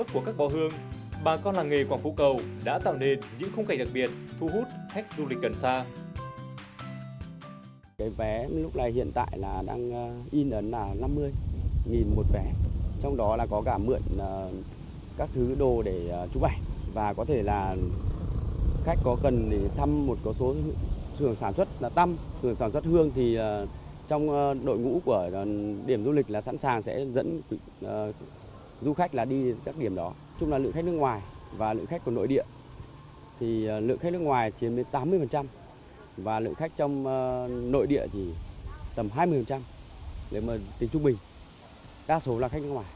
của các bó hương bà con làng nghề quảng phú cầu đã tạo nên những khung cạnh đặc biệt thu hút khách du lịch gần xa